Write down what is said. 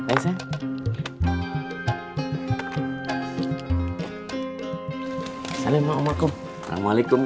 assalamualaikum om akung